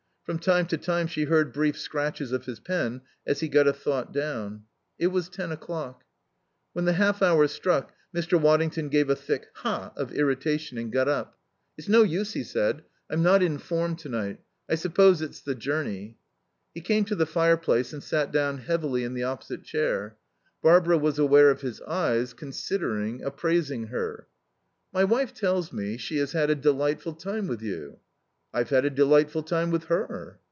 From time to time she heard brief scratches of his pen as he got a thought down. It was ten o'clock. When the half hour struck Mr. Waddington gave a thick "Ha!" of irritation and got up. "It's no use," he said. "I'm not in form to night. I suppose it's the journey." He came to the fireplace and sat down heavily in the opposite chair. Barbara was aware of his eyes, considering, appraising her. "My wife tells me she has had a delightful time with you." "I've had a delightful time with her."